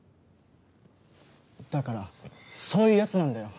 だからそういうやつなんだよ。